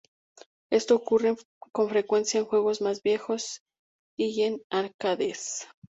Esto ocurre con frecuencia en juegos más viejos y en arcades.